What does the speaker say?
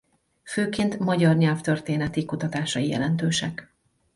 Főként magyar nyelvtörténeti kutatásai jelentősek.